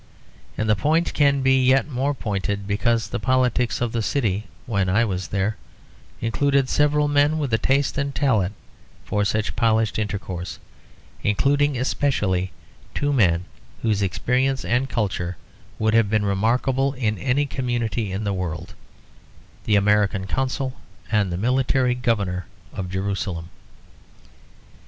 And the point can be yet more pointed because the politics of the city, when I was there, included several men with a taste and talent for such polished intercourse; including especially two men whose experience and culture would have been remarkable in any community in the world; the American Consul and the Military Governor of Jerusalem.